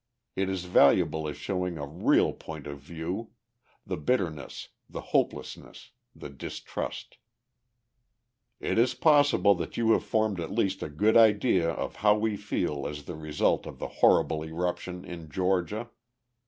It is valuable as showing a real point of view the bitterness, the hopelessness, the distrust. "... It is possible that you have formed at least a good idea of how we feel as the result of the horrible eruption in Georgia.